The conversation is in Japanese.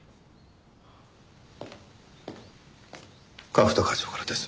角田課長からです。